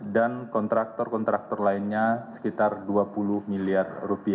dan kontraktor kontraktor lainnya sekitar rp dua puluh miliar